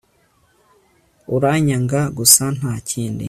uranyanga gusa nta kindi